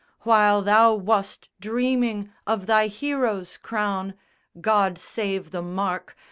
While thou wast dreaming of thy hero's crown God save the mark!